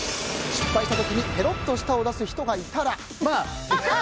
失敗した時にペロッと舌を出す人がいたら。